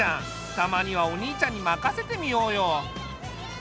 たまにはお兄ちゃんに任せてみようよ。